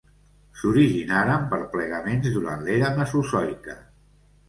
S'originaren per plegaments durant l'era mesozoica.